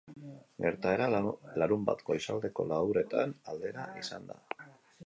Gertaera larunbat goizaldeko lauretan aldera izan da.